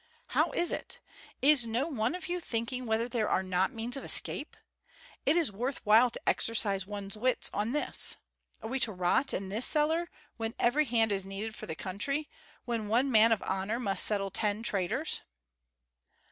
"How is it? Is no one of you thinking whether there are not means of escape? It is worth while to exercise one's wits on this. Are we to rot in this cellar, when every hand is needed for the country, when one man of honor must settle ten traitors?"